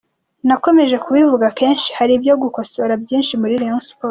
Nakomeje kubivuga kenshi hari ibyo gukosora byinshi muri Rayon Sports.